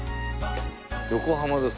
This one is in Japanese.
横浜です。